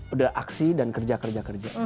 udah aksi dan kerja kerja kerja